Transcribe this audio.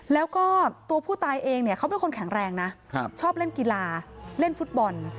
แล้วก็ตัวผู้ตายเองเนี่ยเขาเป็นคนแข็งแรงนะชอบเล่นกีฬาเล่นฟุตบอล